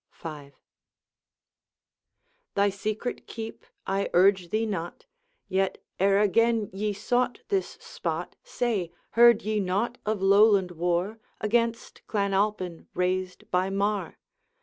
V. 'Thy secret keep, I urge thee not; Yet, ere again ye sought this spot, Say, heard ye naught of Lowland war, Against Clan Alpine, raised by Mar?'